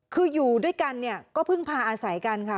คืออยู่ด้วยกันเนี่ยก็เพิ่งพาอาศัยกันค่ะ